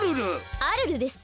アルルですって？